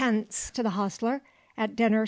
to the hostler, at dinner 6d.